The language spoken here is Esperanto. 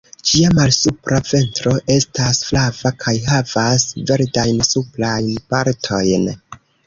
Ĝia malsupra ventro estas flava kaj havas verdajn suprajn partojn.